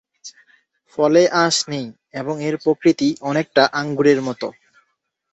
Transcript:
ফলে আঁশ নেই এবং এর প্রকৃতি অনেকটা আঙুরের মত।